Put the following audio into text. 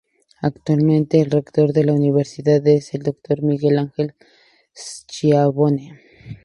Actualmente el rector de la Universidad es el Dr. Miguel Ángel Schiavone.